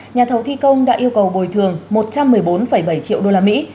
nhà thầu thi công đã yêu cầu bồi thường một trăm một mươi bốn bảy triệu đô la mỹ